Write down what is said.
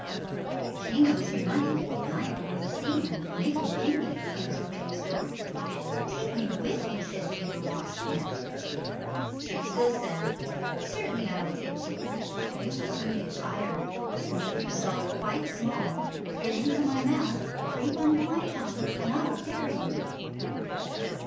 "The king owes me money, and I am going to see him and make him pay me," answered Drakesbill. "Take me with you!" said Neighbor Wasp nest. 9 2 Drakesbill said, "Certainly I will take you; but you will soon get tired. So make yourself quite small, get into my mouth, creep under my tongue, and I will carry you."